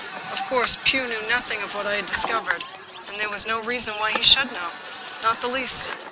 Of course, Pugh knew nothing of what I had discovered, and there was no reason why he should know. Not the least